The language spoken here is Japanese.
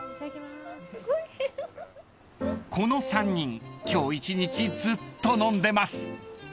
［この３人今日一日ずっと飲んでます］